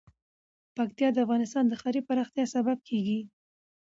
پکتیا د افغانستان د ښاري پراختیا سبب کېږي.